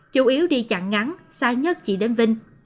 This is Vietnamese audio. chủ yếu đi chặn ngắn xa nhất chỉ đến vinh